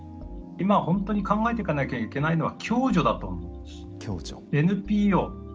今本当に考えていかなきゃいけないのは共助だと思うんです。